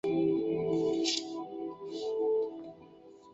勒基乌人口变化图示